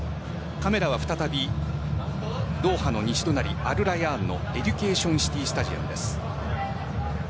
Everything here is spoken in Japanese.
カメラは再びドーハの西隣・アルラヤーンのエデュケーションシティースタジアムです。